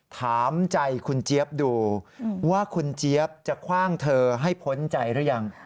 ถามใจคุณเจี๊ยบดูว่าคุณเจี๊ยบจะคว่างเธอให้พ้นใจหรือยัง